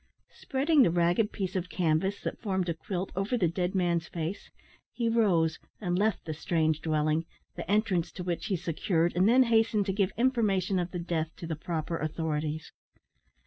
Spreading the ragged piece of canvas that formed a quilt over the dead man's face, he rose, and left the strange dwelling, the entrance to which he secured, and then hastened to give information of the death to the proper authorities.